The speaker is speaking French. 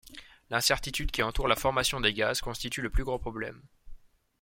L'incertitude qui entoure la formation des gaz constitue le plus gros problème.